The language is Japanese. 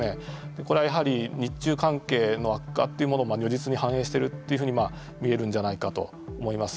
これはやはり日中関係の悪化というものを如実に反映してると言えるんじゃないかなと思います。